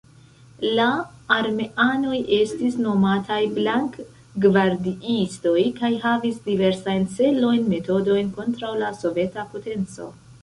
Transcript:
La armeanoj estis nomataj blank-gvardiistoj, kaj havis diversajn celojn, metodojn kontraŭ la soveta potenco.